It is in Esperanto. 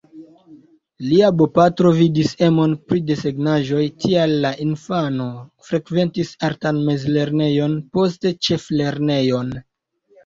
Lia bopatro vidis emon pri desegnaĵoj, tial la infano frekventis artan mezlernejon, poste ĉeflernejon.